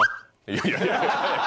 いやいや。